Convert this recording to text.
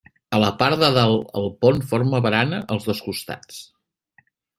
A la part de dalt el pont forma barana als dos costats.